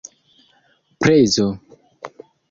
prezo